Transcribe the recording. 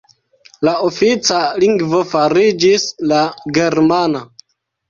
La ofica lingvo fariĝis la germana.